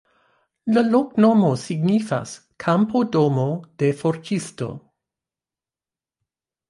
La loknomo signifas: kampo-domo-de forĝisto.